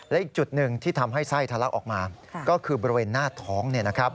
และอีกจุดหนึ่งที่ทำให้ไส้ทะลักออกมาก็คือบริเวณหน้าท้อง